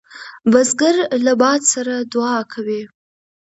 بزګر له باد سره دعا کوي